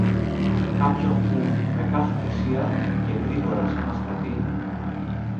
κάποιον που, με κάθε θυσία και γρήγορα σαν αστραπή